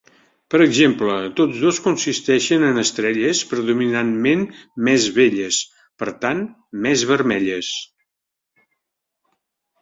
Per exemple, tots dos consisteixen en estrelles predominantment més velles, per tant, més vermelles.